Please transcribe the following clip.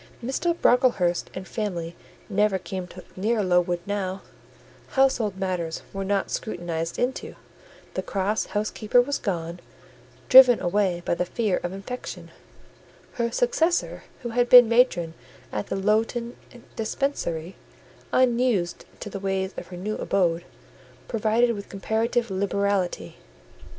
Mr. Brocklehurst and his family never came near Lowood now: household matters were not scrutinised into; the cross housekeeper was gone, driven away by the fear of infection; her successor, who had been matron at the Lowton Dispensary, unused to the ways of her new abode, provided with comparative liberality.